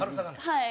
はい。